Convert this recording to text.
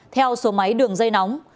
theo số máy đường dây nóng